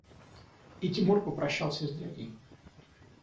И Тимур попрощался с дядей.